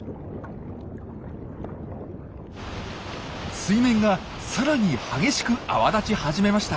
水面がさらに激しく泡立ち始めました。